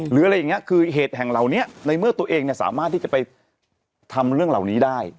หรืออะไรอย่างนี้คือเหตุแห่งเหล่านี้ในเมื่อตัวเองสามารถที่จะไปทำเรื่องเหล่านี้ได้